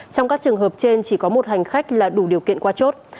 trong các trường hợp trên chỉ có một hành khách là đủ điều kiện qua chốt